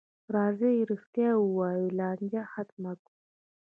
راځئ رښتیا ووایو، لانجه ختمه کړو.